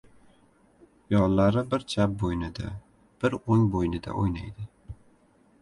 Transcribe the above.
Yollari bir chap bo‘ynida, bir o‘ng bo‘ynida o‘ynadi!